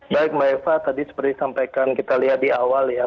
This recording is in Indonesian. baik mbak eva tadi seperti sampaikan kita lihat di awal ya